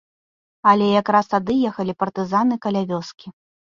Але якраз тады ехалі партызаны каля вёскі.